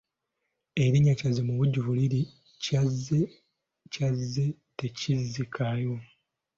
Erinnya Kyazze mu bujjuvu liri Ekyazze kyazze tekizzikayo.